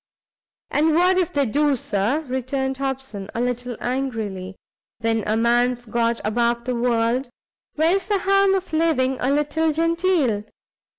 "And what if they do, Sir?" returned Hobson, a little angrily; "when a man's got above the world, where's the harm of living a little genteel?